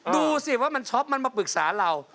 ดูสิว่ามันช็อปมันมาปรึกษาเรา